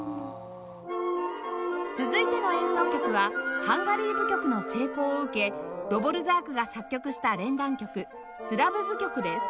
続いての演奏曲は『ハンガリー舞曲』の成功を受けドヴォルザークが作曲した連弾曲『スラヴ舞曲』です